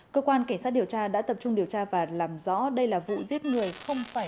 cơ quan cảnh sát điều tra đã tập trung điều tra và làm rõ đây là vụ giết người không phải